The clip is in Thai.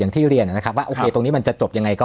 ที่เรียนนะครับว่าโอเคตรงนี้มันจะจบยังไงก็